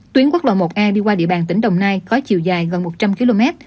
tuyến quốc lộ một a đi qua địa bàn tỉnh đồng nai có chiều dài gần một trăm linh km